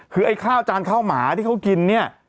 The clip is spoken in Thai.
คือไอ้ข้าวจานข้าวหมาที่เขากินเนี่ย